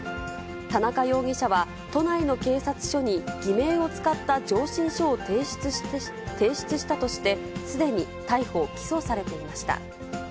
田中容疑者は、都内の警察署に偽名を使った上申書を提出したとして、すでに逮捕・起訴されていました。